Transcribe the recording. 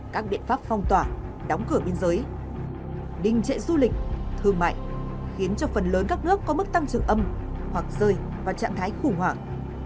các biện pháp phong tỏa đóng cửa biên giới đình trệ du lịch thương mại khiến cho phần lớn các nước có mức tăng trưởng âm hoặc rơi vào trạng thái khủng hoảng